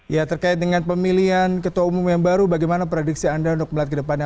ya terkait dengan pemilihan ketua umum yang baru bagaimana prediksi anda untuk melihat ke depannya